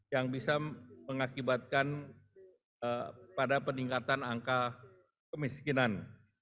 yang bisa mengakibatkan pada peningkatan angka kemiskinan